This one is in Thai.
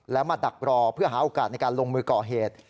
และมาดักรอเพื่อหาโอกาสในการลงมือก่อเหตุ